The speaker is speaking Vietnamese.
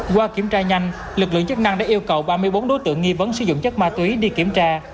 qua kiểm tra nhanh lực lượng chức năng đã yêu cầu ba mươi bốn đối tượng nghi vấn sử dụng chất ma túy đi kiểm tra